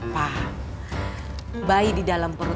kalo dia gak kekal